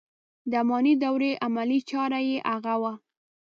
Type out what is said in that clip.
د اماني دورې عملي چاره یې هغه و.